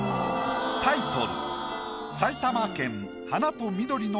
タイトル